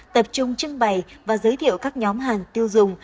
tập trung trưng bày và giới thiệu các nhóm hàng tiêu dùng